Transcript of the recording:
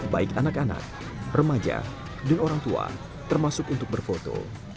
baik anak anak remaja dan orang tua termasuk untuk berfoto